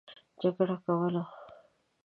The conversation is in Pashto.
جګړه کوله.